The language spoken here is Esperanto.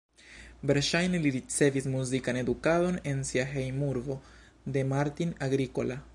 Verŝajne li ricevis muzikan edukadon en sia hejmurbo de Martin Agricola.